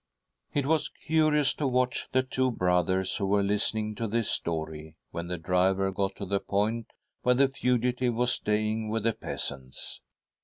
It was curious to watch the two brothers who were listening to this story, when the driver got to the point where the fugitive was staying with the peasants.